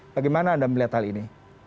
bagaimana anda melihat hal ini